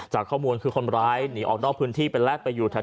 จากข้อมูลคือคนร้ายหนีออกนอกพื้นที่ไปแลกไปอยู่แถว